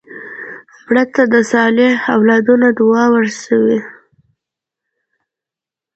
مړه ته د صالح اولادونو دعا ورسوې